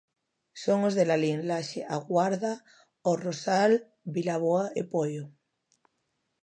Son os de Lalín, Laxe, A Guarda, O Rosal, Vilaboa e Poio.